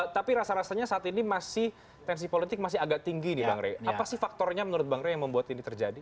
tapi rasa rasanya saat ini masih tensi politik masih agak tinggi nih bang rey apa sih faktornya menurut bang rey yang membuat ini terjadi